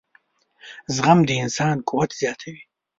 • زغم د انسان قوت زیاتوي.